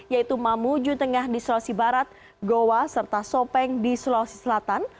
yaitu mamuju tengah di sulawesi barat goa serta sopeng di sulawesi selatan